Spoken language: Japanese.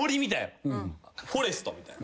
フォレストみたいな。